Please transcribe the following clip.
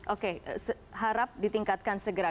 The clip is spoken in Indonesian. oke harap ditingkatkan segera